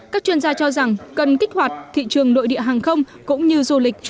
các chuyên gia cho rằng cần kích hoạt thị trường nội địa hàng không cũng như du lịch